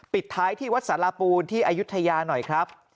ปิดท้ายที่วัดสารปูนที่อายุทยาหน่อยครับ